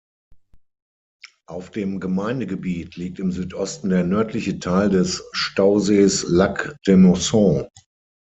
Auf dem Gemeindegebiet liegt im Südosten der nördliche Teil des Stausees Lac d’Emosson.